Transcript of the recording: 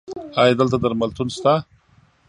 ایا دلته درملتون شته؟